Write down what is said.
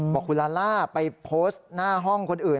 บอกคุณลาล่าไปโพสต์หน้าห้องคนอื่น